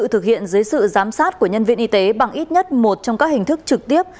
thực hiện dưới sự giám sát của nhân viên y tế bằng ít nhất một trong các hình thức trực tiếp